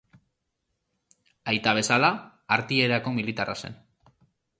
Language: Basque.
Aita bezala, Artilleriako militarra zen.